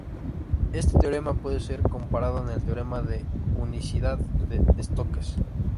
Este teorema puede ser comparado con el teorema de unicidad de Stokes.